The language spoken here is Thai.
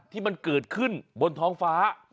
ที่มันเกิดขึ้นบนท้องฟ้า